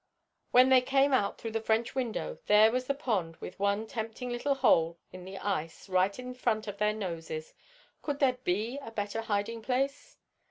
When they came out through the French window there was the pond, with one tempting little hole in the ice, right in front of their noses. Could there be a better hiding place?"